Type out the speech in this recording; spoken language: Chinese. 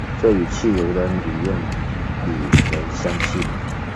这与汽油的理论比能相媲美。